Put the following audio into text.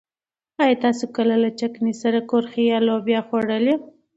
ايا تاسو کله د چکنۍ سره کورخې يا لوبيا خوړلي؟